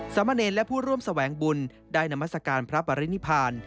สมเนตและผู้ร่วมแสวงบุญได้นามศักรรณ์พระปริณิภาณ